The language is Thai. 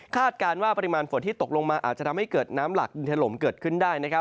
การว่าปริมาณฝนที่ตกลงมาอาจจะทำให้เกิดน้ำหลักดินถล่มเกิดขึ้นได้